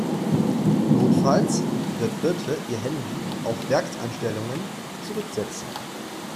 Notfalls wird Birte ihr Handy auf Werkseinstellungen zurücksetzen.